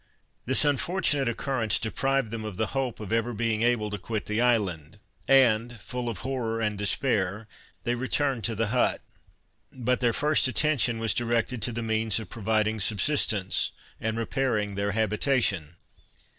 This unfortunate occurrence deprived them of the hope of ever being able to quit the island, and full of horror and despair, they returned to the hut. But their first attention was directed to the means of providing subsistence, and repairing their habitation.